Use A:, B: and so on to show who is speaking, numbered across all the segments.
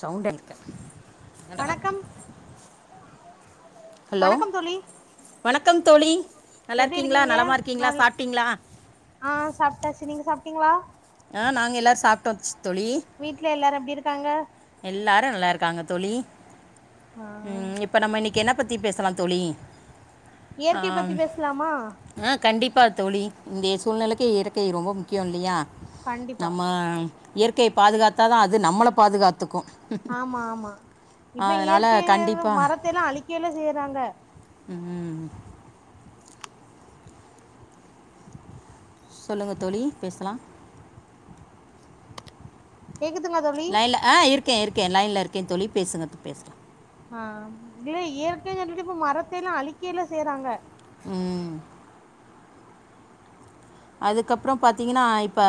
A: சவுண்டே எழுக்க ஏன்டா
B: வணக்கம் வணக்கம் தோழி
A: வணக்கம் தோழி நல்லா
B: எப்டி
A: இருக்கீங்ளா
B: இருக்கீங்க
A: நலமா இருக்கீங்ளா
B: நல்
A: சாப்டீங்ளா
B: ஆ சாப்டாச்சு நீங்க சாப்டீங்ளா
A: அ நாங்க எல்லாரு சாப்டோச்சு தோழி
B: வீட்ல எல்லாரு எப்டி இருக்காங்க
A: எல்லாரு நல்லா இருக்காங்க தோழி
B: ஆ
A: உம் இப்ப நம்ம இன்னைக்கி என்ன பத்தி பேசலா தோழி ஆ
B: இயற்கை பத்தி பேசலாமா
A: கண்டிப்பா தோழி இந்த சூழ்நிலைக்கு இயற்கை ரொம்ப முக்கியோ இல்லையா
B: கண்டிப்பா
A: நம்ம இயற்கை பாதுகாத்தா தா அது நம்மள பாதுகாத்துக்கு
B: ஆமா ஆமா இப்ப இயற்கை
A: கண்டிப்பாக
B: மரத்தல்லா அழிக்கல்ல செய்றாங்க
A: உம் சொல்லுங்க தோழி பேசலா
B: கேக்குதுங்களா தோழி
A: லைன்ல ஆ இருக்கே இருக்கே லைன்ல இருக்கே தோழி பேசுங்க இப்ப பேசலா
B: ஆ இல்ல இயற்கைய சொல்லிட்டு இப்ப மரத்த எல்லா அழிக்கயெல்லா செய்றாங்க
A: ம் அதுக்கப்பறோ பாத்தீங்கனா இப்ப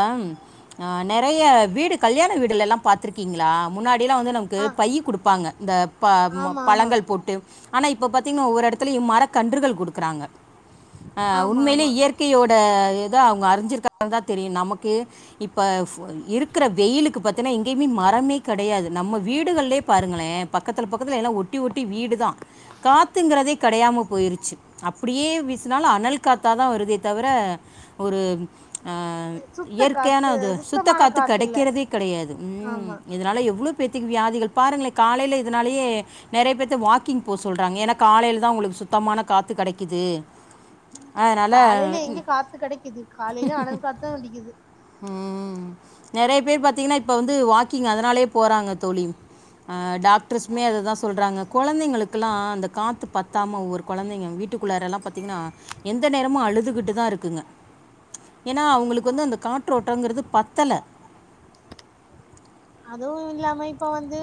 A: ஆ நெறைய வீடு கல்யாண வீடுகள் எல்லா பாத்துருக் கிங்களா முன்னாடிலா வந்து நமக்கு
B: ஆ
A: பைய குடுப்பாங்க இந்த ப ம
B: ஆமா ஆமா
A: பழங்கள் போட்டு ஆனா இப்ப பாத்தீங்னோ ஒவ்வொரு இடத்துலையு மர கன்றுகள் குடுக்குறாங்க அ
B: ஆமா
A: உண்மைலே
B: ஆமா
A: இயற்கையோட இதை அவங்க அறிஞ்சிருக்காங்க தா தெரியு நமக்கு இப்ப ஃபோ இருக்கு இருக்குற வெயிலுக்கு பத்தீனா எங்கேயுமே மரமே கடையாது நம்ம வீடுகள்லே பாருங்களே பக்கத்துல பக்கத்துல எல்லா ஒ ஒட்டி ஒட்டி வீடு தா காத்துங்கிறதே கடையாம போயிருச்சு அப்புடியே வீசுனாலு அனல் காத்தாதா வருதே தவர ஒரு அ
B: சுத்த
A: இயற்கையான
B: காத்து
A: அது சுத்த
B: சுத்தமான
A: காத்து
B: இல்ல
A: கடைக்கிறதே கடையாது
B: ஆமா
A: இதனால எவ்ளோ பேர் வியாதிகள் பாருங்ளே காலையில இதனாலயே நெறைய பேத்த வாக்கிங் போ சொல்றாங்க எனக் காலையில தா உங்களுக்கு சுத்தமான காத்து கெடைக்குது அதனால
B: காலையில எங்க காத்து கெடைக்குது காலையில அனல் காத்தா அடிக்குது
A: உம் நெறைய பேர் பாத்தீங்கனா இப்ப வந்து வாக்கிங் அதனாலே போறாங்க தோழி அ டாக்டர்ஸ்மே அததா சொல்றாங்க கொழந்தைங்களுக்குலா அந்த காத்து பத்தாம ஒவ்வொரு கொழந்தைங்க வீட்டு வீட்டுக்குள்ளார எல்லா பாத்தீங்கன்னா எந்த நேரமு அழுதுகிட்டு தா இருக்குங்க ஏனா அவங்களுக்கு வந்து அந்த காற்றோட்டங்கறது பத்தல
B: அதுவு இல்லாம இப்ப வந்து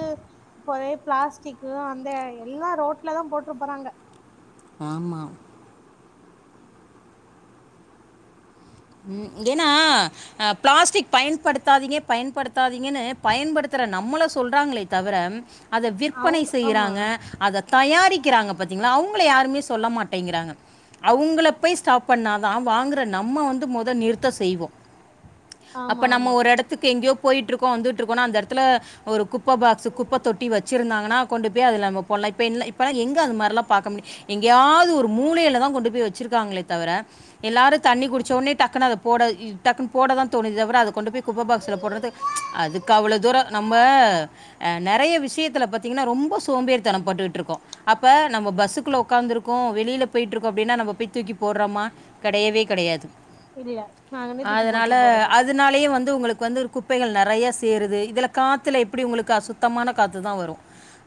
B: பொறே பிளாஸ்டிக்கு அந்த எல்லா ரோட்ல தா போ போட்று போறாங்க
A: ஆமா உம் ஏனா பிளாஸ்டிக் பயன்படுத்தாதீங்க பயன்படுத்தாதீங்கன்னு பயன்படுத்த நம்மள சொல்றாங்ளே தவர அத விற்பனை
B: அவுங்க ஆமா
A: செய்யிறாங்க அத தயாரிக்கிறாங்க பாத்தீங்ளா அவுங் அவுங்கள யாருமே சொல்ல மாட்டேங்கிறாங்க அவுங்கள போய் ஸ்டாப் பண்ணாதா வாங்குற நம்ம வந்து மொத நிறுத்த செய்வோ
B: ஆமா
A: அப்ப நம்ம
B: ஆமா
A: ஒரு இடத்துக்கு எங்கேயோ போயிட் ட்ருக்கோ வந்துட்டு இருக்கோனா அந்த இடத்துல ஒரு குப்ப பாக்ஸ்ஸு குப்ப தொட்டி வச்சிருந்தாங்கன்னா கொண்டு போய் அதுல நம்ம போலா இப்ப இப்ப எங்க அந்த மார்லா பாக்க முடியு எங்கயாவது ஒரு மூலையில தா கொண்டு போய் வச்சிருக்காங்களே தவர எல்லாரு தண்ணி குடிச்ச ஒன்னே டக்குனு அத போட டக்குனு போட தா தோணுது தவர அத கொண்டு போய் குப்ப பாக்ஸ்ல போர்றது அதுக்கு அவ்ளோ தூரோ நம்ப நெறைய விஷயத்துல பாத்தீங்கன்னா ரொம்போ சோம்பேரி தனோ பட்டுட்டு இருக்கோ அப்ப நம்ம பஸ்குள்ள உக்காந்துருக்கோ வெளில போயிட்டுருக்கோ அப்டின்னா நம்ம போய் தூக்கி போர்றமா கடையவே கடையாது
B: இல்ல நாங்களே தூக்கி
A: அதனால
B: போட்ரு போறது
A: அதனாலயே வந்து உங்களுக் வந்து குப்பைகள் நெறைய சேருது இதுல காத்துல எப்டி உங்களுக்கு அசுத்தமான காத்துதா வரு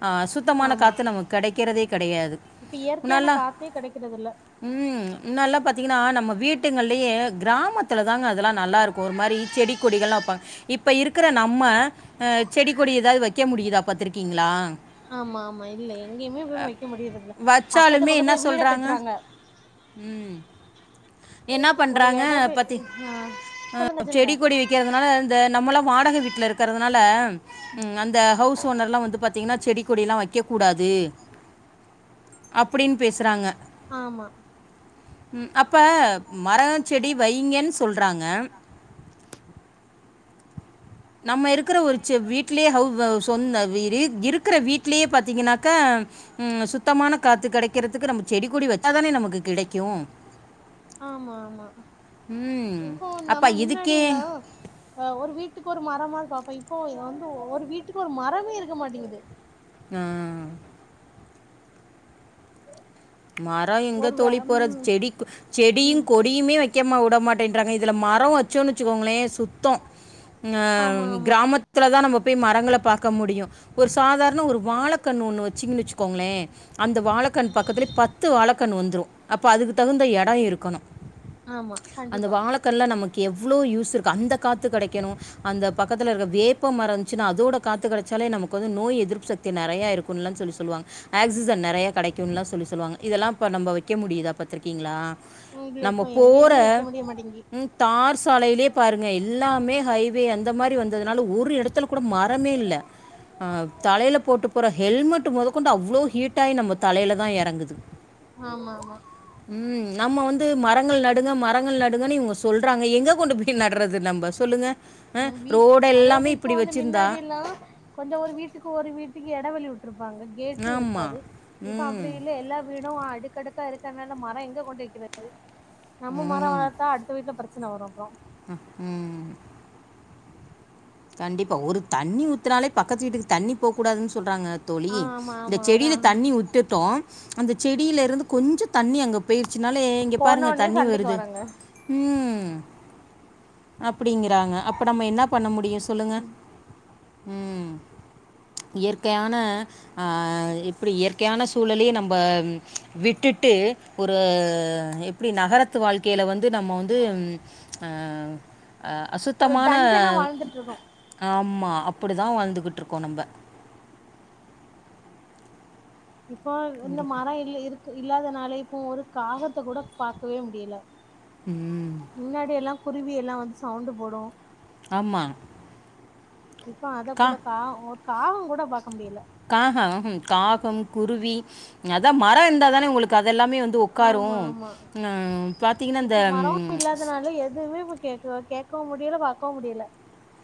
A: அ சுத்தமான
B: ஆமா
A: காத்து நமக்கு கடைக்கிறதே கடையாது
B: இப்ப இயற்கையான
A: முன்னாலா
B: காத்தே கெடைக்கிறது இல்ல
A: உம் முன்னால்லா பாத்தீங்கனா நம்ம வீட்டுங்கலயே கிராமத்தில தாங்க அதெல்லா நல்லா இருக்கு ஒரு மாரி செடி கொடிகள்லா வெப்பாங்க இப்ப இருக்குற நம்ம அ செடி கொடி எதாது வெக்க முடியுதா பாத்துருக்கீங்ளா
B: ஆமா ஆமா இல்ல எங்கேயுமே போய் வெக்க முடியறதுல பக்கத்து
A: வச்சாலுமே என்ன
B: பக்கத்துல வீட கட்டுறாங்க
A: ம் என்னா பண்ண
B: ஒரு
A: றாங்க
B: எடவு
A: பத்தி
B: ஆ சொல்லுங்க சொல்லுங்க
A: செடி கொடி வெக்கறதுனால இந்த நம்மள வாடக வீட்ல இருக்கறதுனால அ அந்த ஹவுஸ் வீட்டு ஒன்னர்லா வந்து பாத்தீங்கன்னா செடி கொடி எல்லா வெக்கக்கூடாது அப்பிடின்னு பேசுறாங்க
B: ஆமா
A: ம் அப்ப மர செடி வைங்கன்னு சொல்றாங்க நம்ம இருக்குற ஒரு செ வீட்லயே ஹவ் தொந்த வீடு இருக்குற வீட்லயே பாத்தீங்கன்னாக்கா ம் சுத்தமான காத்து கெடைக்கிறதுக்கு நம்ம செடி கொடி வெச்சா தான நமக்கு கெடைக்கு
B: ஆமா ஆமா இப்போ
A: அப்பா
B: நம்ம முன்னாடி
A: இதுக்கே
B: எல்லா அ ஒரு வீட்டுக்கு ஒரு மரமா இருக்கு அப்ப இப்போ இத வந்து ஒவ்வொரு வீட்டுக்கு ஒரு மரமே இருக்க மாட்டேங்குது
A: ம் மாரோ எங்க
B: ஒரு வே
A: தோழி போறது
B: ம்
A: செடி செடியு
B: ம்
A: கொடியுமே வெக்க வுட மாட்டேன்றாங்க இது இதுல மரோ வெச்சோன்னு வெச்சுக்கோங்களே சுத்தோ அ
B: ஆமா ஆமா
A: கிராமத்துல தா நம்ம போய் மரங்கள பாக்க முடியு ஒரு சாதாரண ஒரு வாழக்கண்ணு ஒன்னு வெச்சிங்கன்னு வெச்சுக்கோங்களே அந்த வாழக்கண் பக்கத்துலே வாழக்கண்ணு வந்துரு அப்ப அதுக்கு தகுந்த எடோ இருக்கணு
B: ஆமா
A: அந்த
B: கண்டிப்பா
A: வாழக்கண்ல நமக்கு க்கு எவ்ளோ யூஸ் இருக்கு அந்த காத்து கெடைக்கணு அந்த பக்கத்தில இருக்க வேப்ப மரோ இருந்துச்சுன்னா அதோட காத்து கெடச்ச இருந்தாலே நமக்கு வந்து நோய் எதிர்ப்புக்தி நெறையா இருக்கும்னுலா சொல்லி சொல்லுவாங்க ஆக்சிஜன் நெறைய கெடைக்குன்லா சொ சொல்லி சொல்லுவாங்க இதெல்லா இப்போ நம்ம வைக்க முடியிதா பாத்திருக்கீங்ளா
B: இதுல
A: நம்ம
B: இப்ப
A: போற
B: எங்கேயுமே வைக்க முடிய மாட்டேங்கி
A: ம் தார்ஸ் சாலையிலயே பாருங்க எல்லாமே ஹைவே அந்த மாரி வந்ததுனால ஒரு எடத்துல கூட மரமே இல்ல அ தலையில போட்டு போற ஹெல்மெட்டு மொதல் கொண்டு அவ்ளோ ஹீட் ஆயி நம்ம தலையில தா எறங்குது
B: ஆமாம்மா
A: நம்ம வந்து மரங்கள் நடுங்க மரங்கள் நடுங்கன்னு இவங்க சொல்றாங்க எங்கே கொண்டு போய் நட்றது நம்ம சொல்லுங்க அ
B: ம் வீட்
A: ரோடு
B: அதாவது
A: எல்லாமே
B: இப்ப
A: இப்பிடி
B: வந்து
A: வச்சிருந்தா
B: மின்னாடி எல்லா கொஞ்சோ ஒரு வீட்டுக்கு ஒரு வீட்டுக்கு எடவேள விட் டுருப்பாங்க கேட்டு
A: ஆமா.
B: இருக்காது இப்ப
A: ம்.
B: அப்டி இல்ல எல்லா வீடு அடுக்கடுக்கா இருக்கிறதுனால மரோ எங்க கொண்டு வைக்கிறது நம்ம மரோ வளர்த்தா அடுத்த வீட்ல பிரச்சன வரு அப்றோ
A: ம்க்கு கண்டிப்பா ஒரு தண்ணி ஊத்தினாலே பக்கத்து வீட்டுக்கு தண்ணி போ கூடாதுன்னு சொல்றாங்க தோழி
B: ஆ ஆமா
A: இந்த
B: ஆமா அதா
A: செடியில தண்ணி விட்டுட்டோ அந்த செடியில இருந்து கொஞ்சோ தண்ணி அங்க போய் ச்சுனாலே இங்க பாருங்க
B: போனோனே
A: தண்ணி
B: சண்டைக்கு
A: வருது
B: வராங்க
A: ம் ம் அப்பிடிங்கிறாங்க அப்ப நம்ம என்ன பண்ண முடியு சொல்லுங்க ம் இயற்கையான அ எப்டி இயற்கையான சூழலே நம்ப விட்டுட் டு ஒரு எப்டி நகரத்து வாழ்க்கையில வந்து நம்ம வந்து ம் அ அ அசுத்தமான
B: ஹலோ
A: ம் அ அப்பிடிதா வாழ்ந்துகிட்டு இருக்கோ நம்ப
B: இப்போ இந்த
A: கண்டிப்பா.
B: மரோ இல்ல இருக்கு இல்லாதனால இப்போ ஒரு காகத்த கூட பாக்கவே முடியல
A: ம்
B: முன்னாடி எல்லா குருவி எல்லா வந்து சவுண்ட் போடு
A: ஆமா
B: இப்போ அத கூட கா ஒரு காகோ கூட பா
A: காஹ உஹும் காகம் குருவி அதா மரொ இருந்தாதானே உங்களுக்கு இதெல்லாமே வந்து உக்காரு
B: ஆமா ஆமா
A: ம் பாத்தீங்ன்னா இந்த
B: இப்ப மரம்
A: ம்
B: க்கவும் முடியல பாக்கவு முடியல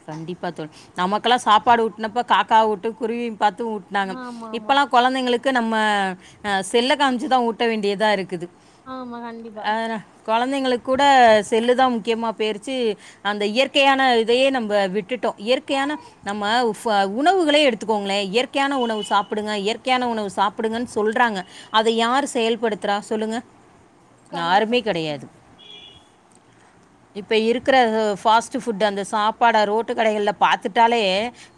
A: கண்டிப்பா தோழி நமக்கெல்லா சாப்பாடு வூட்டுனப்ப காக்கா வுட்டு குருவி பாத்து ஊட்னாங்க
B: ஆமா ஆமா
A: இப்பல்லா கொழந்தைங்களுக்கு நம்ம அ செல்ல காமிச்சுதா ஊட்ட வேண்டியதா இருக்குது
B: ஆமா கண்டிப்பா
A: ஆ கொழந்தைங்களுக் கூட செல்லு தா முக்கியமா பேயிருச்சி அந்த இயற்கையான இதையே நம்ம ம்ப விட்டுட்டோ இயற்கையான நம்ம உணவுகளே எடுத்துக்கோங்களே இயற்கையான உணவு சாப்பிடுங்க இயற்கையான உணவு சாப்பிடுங்கன் சொல்றாங்க அத யார் செயல்படுத்துறா சொல்லுங்க
B: கண்டிப்பா
A: யாருமே கெடையாது இப்ப இருக்குற ஃபாஸ்ட் ஃபுட் அந்த பாட ரோட்டு கடைகள்ல பார்த்துட்டாலே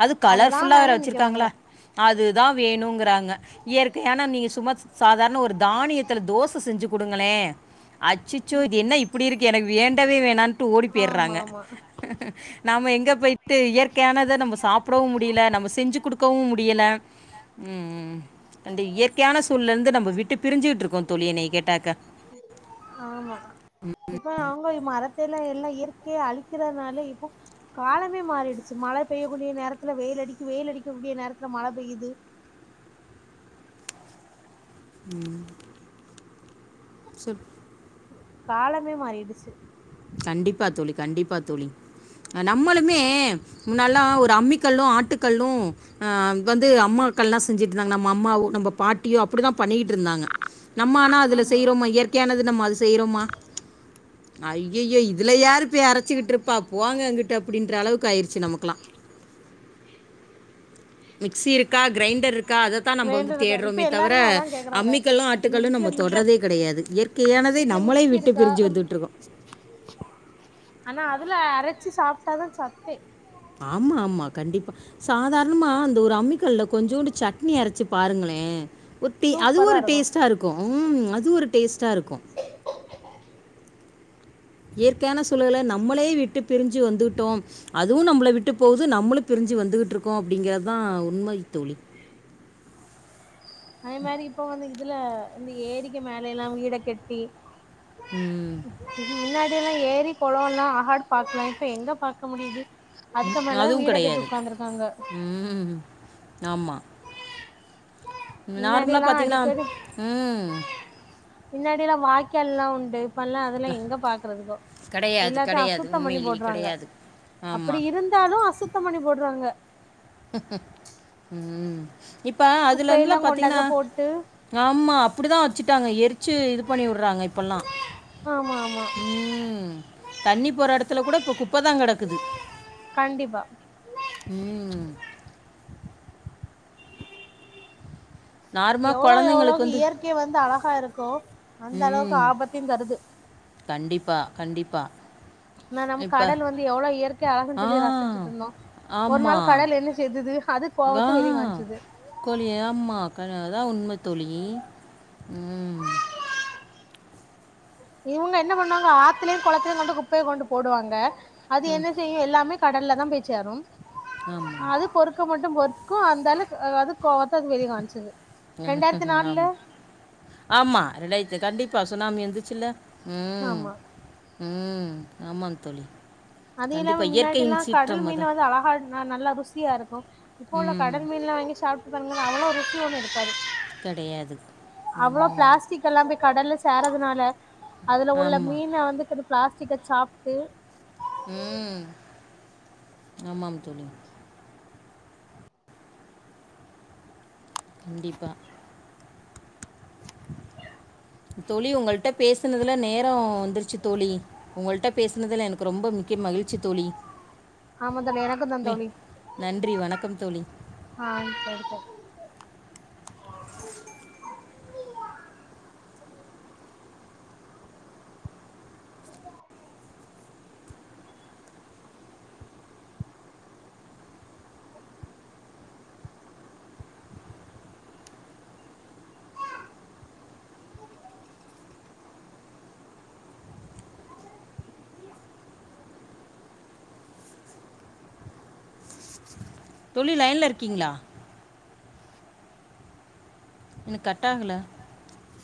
A: அது
B: அதுதா
A: கலர்ஃபுல்லா வேற
B: வேணு நிக்கிறாங்க
A: வச்சிருக்காங்களா அது இதா வேணுங்கிறாங்க இயற்கையான நீங்க சும்மா சாதாரன ஒரு தானியத்தில தோச செஞ்சு குடுங்களே ஏ அச்சச்சோ இது என்ன இப்புடி இருக்கு எனக்கு வேண்டவே வேண்டான்டு ஓடி
B: ஆமா
A: பேய்றாங்க
B: ஆமா
A: நாம எங்க பேய்ட்டு இயற்கையானத நம்ப சாப்டவு முடியில நம்ப செஞ்சு குடுக்கவு முடியல ம் ம் ம் அந்த இயற்கையான சூழ் இருந்து நம்ப விட்டு பிரிஞ்சுகிட்டு இருக்கோ தோழி என்னைய கேட்டாக்கா
B: ஆமா இயற்கைய அழிக்கிறதுனால இப்போ காலமே மாறிடுச்சு மழ பெய்யக்கூடிய நேரத்துல வெயில் அடிக்கு வெயில் அடிக்கு கூடிய நேரத்துல மழ பெய்யுது
A: [inaudible] ம் சொல்
B: காலமே மாறிடுச்சு
A: கண்டிப்பா தோழி கண்டிப்பா தோழி நம்மளுமே மே முன்னால்லா ஒரு அம்மிக்கல்லு ஆட்டுக்கல்லு அ வந்து அம்மாக்கள்லா செஞ்சுட்டு இருந்தாங்க நம்ம அம்மாவோ நம்ப பாட்டியோ அப்டிதான் பண்ணிக்கிட்ருந்தாங்க நம்ம ஆனா அதுல
B: ஆமா
A: செய்றோமா இயற்கையானது நம்ம அது செய்றோமா ஐயையோ இதுல யாரு பேய் அரச்சிக்கிட்டு இருப்பா போங்க அங்குட்டு அப்டின்ற அளவுக்கு ஆயிருச்சி நமக்குல்லா மிக்ஸி இருக்கா கிரைண்டர் இருக் கா அதத்தான் நம்ப வந்து
B: வேண்டதுக்கா இப்ப
A: தேட்றோமே தவர
B: எல்லாருமே அதா கேக்குறாங்க
A: அம்மிக்கல்லு ஆட்டுக்கல்லு
B: வீட்ல
A: நம்ம தொட்றதே கடையாது இயற்கையான அதை
B: வீட்ல
A: நம்மளே
B: மிக்சி
A: விட்டு
B: இருக்கா
A: பிரிஞ்சு வந்துக்கிட்டுருக்கோ
B: ஆனா அதுல அரச்சி சாப்ட்டாதா சத்தே
A: ஆமா ஆமா கண்டிப்பா சாதாரனமா அந்த ஒரு அம்மிக்கல்ல கொஞ்சோண்டு சட்னி அரச்சு பாருங்களே ளே உத்தி அது
B: சூப்பரா
A: ஒரு
B: இருக்கு
A: டேஸ்டா இருக்கூ ம் அது ஒரு டேஸ்டா இருக்கூ இயற்கையான சூழல நம்மளே விட்டு பிரிஞ்சு வந்துட்டோம் அதுவு நம்மள விட்டு போகுது நம்மளு பிரிஞ் பிரிஞ்சு வந்துகிட்ருக்கோ அப்டிங்கறதா உண்மை தோழி
B: ஐ மாரி இப்ப வந்து இதுல இந்த ஏரிக்க மேல எல்லா வீட கெட்டி
A: ம்,
B: இது முன்னாடி இப்பயெல்லா ஏரி கொளொல்லா ஆகாடு பாக்லா இப்ப எங்க பாக்க முடியிது
A: ம் அதுவுங் கெடையாது ம் ம் ஆம்மா
B: மின்னாடி எல்லா அடிக்கடி
A: ம்
B: மின்னாடி எல்லா வாய்க்கால்லாம் உண்டு இப்பல்லா அதெல்லா எங்க பாக்குறதுங்கோ
A: கிடையாது
B: எல்லாத்த
A: கிடையாது
B: அசுத்தம் பண்ணி
A: உண்மையிலேயே
B: போட்றாங்க
A: கிடையாது
B: அப்புடி
A: ஆமாம்
B: இருந்தாலு அசுத்தம் பண்ணி போட்ருவாங்க
A: ம் இப்ப அதுல இருந்துல
B: குப்பையெல்லா கொண்டு
A: பாத்தீங்ன்னா
B: அதுல போட்டு
A: ஆமா அப்டிதா வச்சுட்டாங்க எரிச்சு இது பண்ணிவுறாங்க இப்பல்லா
B: ஆமா ஆமா
A: தண்ணி போற எடத்துல கூட இப்ப குப்ப தா கெடக்குது
B: கண்டிப்பா
A: [inaudible] நார்மலா
B: எவ்ளோ எவ்ளோ
A: குழந்தைங்களுக்கு
B: க்கு
A: வந்து
B: இயற்கை வந்து அழகா இருக்கோ அந்த அளவுக்கு
A: ம்.
B: ஆபத்தையுந்தருது
A: கண்டிப்பா கண்டிப்பா
B: நா நம்ம
A: இப்ப
B: கடல் வந்து எவளோ இயற்கை அழகுன்னு
A: ஆ.
B: சொல்லி ரசிச்சுட்ருந்தோ ஒரு நாள் கடல் என்ன செய்தது அது
A: ஃகா
B: கோவத்த வெளி காமிச்சது
A: கோழியா ஆமா கா அதா உண்ம தோழி ம்
B: இவுங்க என்ன பண்ணுவாங்க ஆத்தலுயு குளத்தலையு கொண்டு குப்பைய கொண்டு போடுவாங்க அது என்ன செய்யு எல்லாமே கடல்ல தா போய் சேரும்
A: ஆமா.
B: அது பொறுக்க மட்டு பொறுத்துக்கும் அந்தால ஆ அதுக்
A: ஆமா
B: நாலுல
A: ஆமா ரெண்டாய்டுச்சு கண்டிப்பா சுனாமி வந்தச்சுல்ல ம்
B: ஆமா
A: ம் ஆமா தோழி
B: அது இல்லாம
A: கண்டிப்பாக
B: முன்னாடி எல்லா
A: இயற்கையின்
B: கடல்
A: சீற்றம்
B: மீன்
A: அதான்
B: வந்து அழகா நல்லா ருசியா இருக்கும் இப்ப உள்ள
A: ம்
B: கடல் மீன்லா வாங்கி சாப்ட்டு பாருங்க அவ்ளோ ருசியோடு இருக்காது
A: கெடையாது
B: அவ்ளோ ப்ளாஸ்டிக் எல்லாமே கடல்ல சேரறதுனால அதுல உள்ள
A: ஆமாம்
B: மீன வந்து கெடுக் ப்ளாஸ்டிக்க சாப்ட்டு
A: ம் ஆமாம் தோழி கண்டிப்பா [inaudible] தோழி உங்கள்ட்ட பேசுனதுல நேரோ வந்துருச்சு தோழி உங்கள்ட்ட பேசனதுல எனக்கு ரொம்ப மிக்க மகிழ்ச்சி தோழி
B: ஆமா தோழி எனக்கு தா
A: மி
B: தோழி
A: நன்றி வணக்கம் தோழி [inaudible]
B: ஆ சரி சரி
A: தோழி லையன்ல இருக்கீங்ளா இன்னு கட்டாகல